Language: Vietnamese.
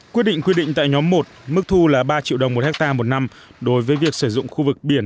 quyết định quyết định tại nhóm một mức thu là ba triệu đồng một hectare một năm đối với việc sử dụng khu vực biển